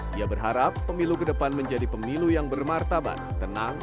dia berharap pemilu ke depan menjadi pemilu yang bermartabat tenang